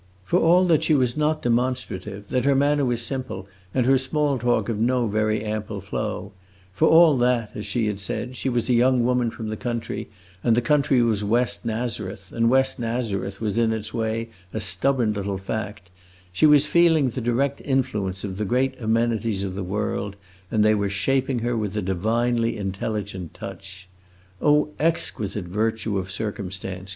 For all that she was not demonstrative, that her manner was simple, and her small talk of no very ample flow; for all that, as she had said, she was a young woman from the country, and the country was West Nazareth, and West Nazareth was in its way a stubborn little fact, she was feeling the direct influence of the great amenities of the world, and they were shaping her with a divinely intelligent touch. "Oh exquisite virtue of circumstance!"